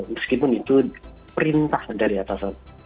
meskipun itu perintah dari atasan